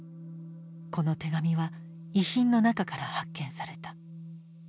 この手紙は遺品の中から発見された。